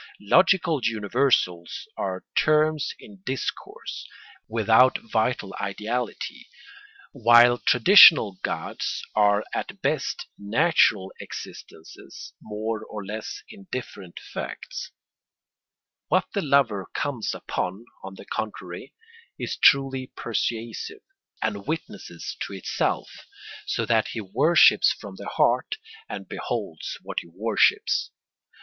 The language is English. Logical universals are terms in discourse, without vital ideality, while traditional gods are at best natural existences, more or less indifferent facts. What the lover comes upon, on the contrary, is truly persuasive, and witnesses to itself, so that he worships from the heart and beholds what he worships.